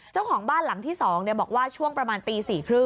เจ้าของบ้านหลังที่๒บอกว่าช่วงประมาณตี๔๓๐